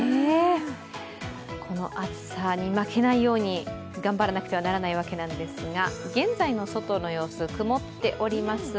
この暑さに負けないように頑張らなくてはならないわけですが、現在の外の様子曇っております。